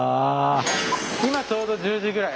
今ちょうど１０時ぐらい。